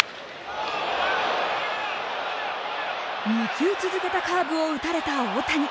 ２球続けたカーブを打たれた大谷。